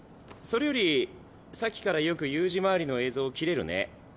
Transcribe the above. それよりさっきからよく悠仁周りの映像切れるね。